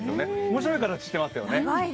面白い形してますよね。